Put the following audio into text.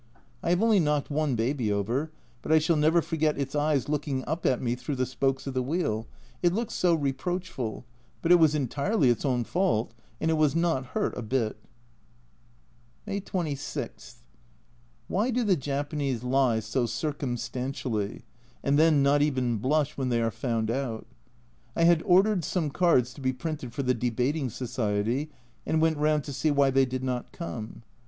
I have only knocked one baby over, but I shall never forget its eyes looking up at me through the spokes of the wheel, it looked so reproachful, but it was entirely its own fault, and it was not hurt a bit May 26. Why do the Japanese lie so circum stantially, and then not even blush when they are found out? I had ordered some cards to be printed for the Debating Society and went round to see why they did not come.